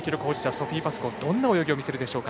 ソフィー・パスコーがどんな泳ぎを見せるでしょうか。